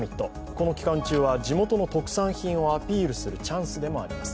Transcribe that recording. この期間中は地元の特産品をアピールするチャンスでもあります。